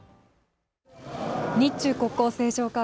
日中国交正常化